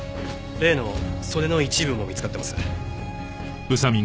例の袖の一部も見つかってます。